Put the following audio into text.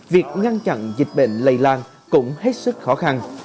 việc ngăn chặn dịch bệnh lây lan cũng hết sức khó khăn